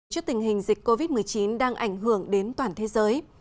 trước tình hình dịch covid một mươi chín đang ảnh hưởng đến toàn thế giới